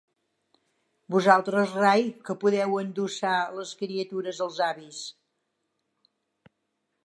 Vosaltres rai, que podeu endossar les criatures als avis.